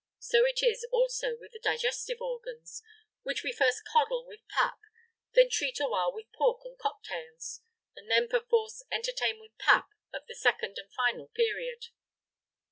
So it is, also, with the digestive organs, which we first coddle with pap, then treat awhile with pork and cocktails, and then, perforce, entertain with pap of the second and final period.